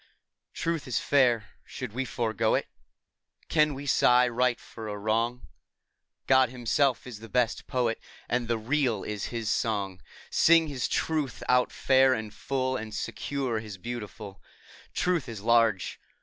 Truth is fair; should we forego it? Can we sigh right for a wrong ? God Himself is the best Poet, And the Real is His song. Sing His Truth out fair and full, And secure His beautiful. Truth is large.